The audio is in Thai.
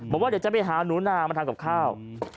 บอกว่าเดี๋ยวจะไปหาหนูนามาทำกับข้าว